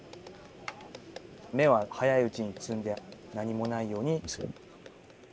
芽は早いうちに摘んで何もないようにする。